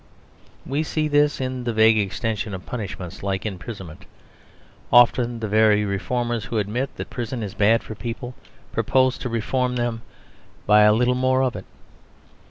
We see this in the vague extension of punishments like imprisonment; often the very reformers who admit that prison is bad for people propose to reform them by a little more of it.